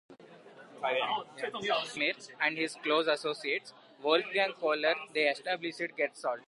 Along with Max Wertheimer and his close associates Wolfgang Kohler they established Gestalt psychology.